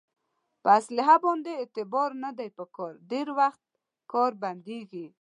په اصلحه باندې اعتبار نه دی په کار ډېری وخت کار بندېږي.